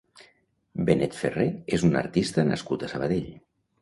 Benet Ferrer és un artista nascut a Sabadell.